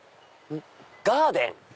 ガーデン！